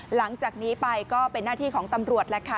หลังจากนี้ไปก็เป็นหน้าที่ของตำรวจแหละค่ะ